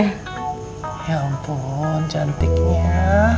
ya ampun cantiknya